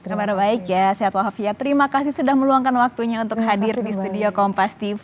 terima kasih ya sehat walafiat terima kasih sudah meluangkan waktunya untuk hadir di studio kompas tv